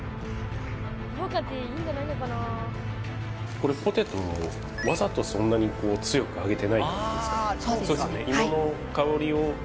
これポテトわざとそんなに強く揚げてない感じですか？